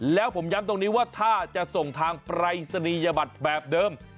แล้วผมย้ำตรงนี้ว่าถ้าจะส่งทางปรายศนียบัตรแบบเดิม